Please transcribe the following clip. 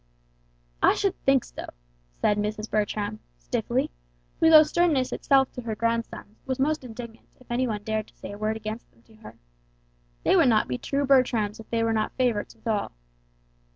"I should think so," said Mrs. Bertram, stiffly, who though sternness itself to her grandsons was most indignant if any one dared to say a word against them to her; "they would not be true Bertrams if they were not favorites with all."